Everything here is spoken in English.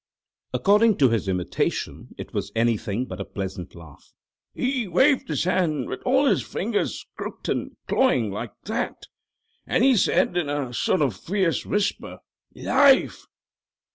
According to his imitation it was anything but a pleasant laugh. "He waved his hand, with all his fingers crooked and clawing—like that. And he said, in a sort of fierce whisper, 'LIFE!'